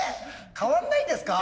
変わんないんですか？